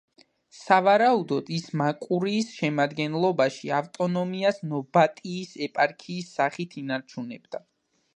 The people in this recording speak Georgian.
სავარაუდოდ ის მაკურიის შემადგენლობაში ავტონომიას ნობატიის ეპარქიის სახით ინარჩუნებდა.